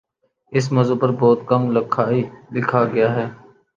اس موضوع پر بہت کم لکھا گیا ہے